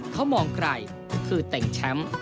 เขามองไกลคือเต็งแชมป์